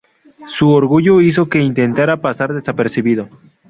Su orgullo hizo que intentara pasar desapercibido.